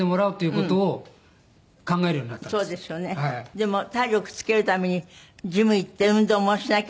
でも体力つけるためにジム行って運動もしなきゃいけない。